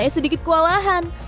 gila saya sedikit kewalahan